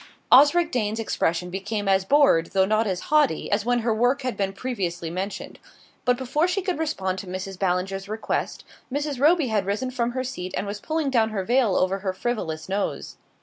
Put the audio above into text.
Osric Dane's expression became as bored, though not as haughty, as when her work had been previously mentioned. But before she could respond to Mrs. Ballinger's request, Mrs. Roby had risen from her seat, and was pulling down her veil over her frivolous nose.